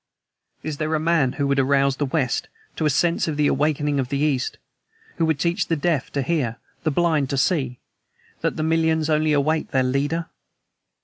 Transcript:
Is there a man who would arouse the West to a sense of the awakening of the East, who would teach the deaf to hear, the blind to see, that the millions only await their leader?